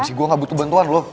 gapapa gue nggak butuh bantuan loh